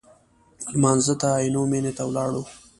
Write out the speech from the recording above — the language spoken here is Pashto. لمانځه ته عینومېنې ته ولاړو.